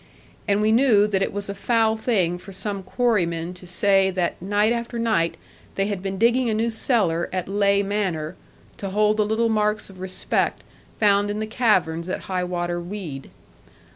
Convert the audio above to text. And we knew that it was a foul thing for some quarrymen to say that night after night they had been digging a new cellar at Ley Manor to hold the little marks of respect found in the caverns at high water weed.